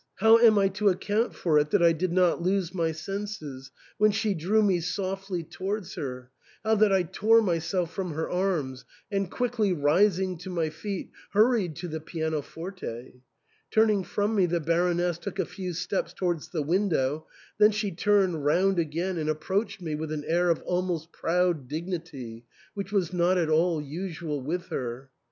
How am I to account for it that I did not lose my senses when she drew me softly towards her, how that I tore myself from her arms, and, quickly rising to my feet, hurried to the pianoforte ? Turning from me, the Baroness took a few steps towards the window, then she turned round again and approached me with an air of almost proud dignity, which was not at all usual with her.